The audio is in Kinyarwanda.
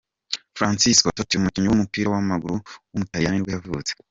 Francesco Totti, umukinnyi w’umupira w’amaguru w’umutaliyani nibwo yavutse.